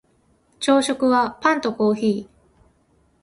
朝食はパンとコーヒー